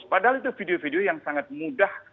padahal itu video video yang sangat mudah